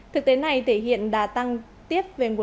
thực tế này thể hiện đã tăng tiền thuế